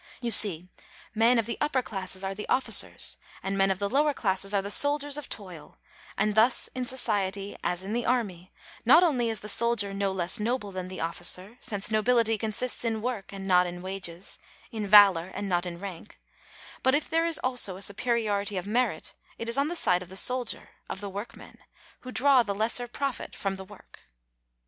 You see, men of the upper classes are the of ficers, and men of the lower classes are the soldiers of toil ; and thus in society as in the army, not only is the soldier no less noble than the officer, since nobility consists in work and not in wages, in valor and not in rank ; but if there is also a superiority of merit, it is on the side of the soldier, of the workmen, who draw the lesser profit from the work.